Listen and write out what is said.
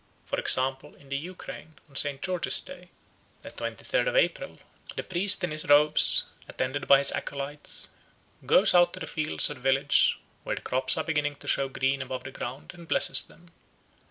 For example, in the Ukraine on St. George's Day (the twenty third of April) the priest in his robes, attended by his acolytes, goes out to the fields of the village, where the crops are beginning to show green above the ground, and blesses them.